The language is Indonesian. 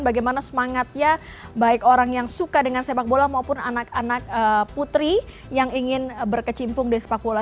bagaimana semangatnya baik orang yang suka dengan sepak bola maupun anak anak putri yang ingin berkecimpung di sepak bola